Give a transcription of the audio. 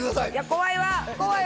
怖いわ！